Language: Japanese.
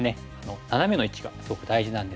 ナナメの位置がすごく大事なんですけれども。